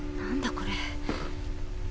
これ。